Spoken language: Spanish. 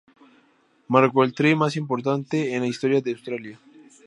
Marcó el try más importante en la historia de Australia.